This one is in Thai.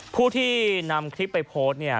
ผู้ที่นำคลิปไปโพสต์เนี่ย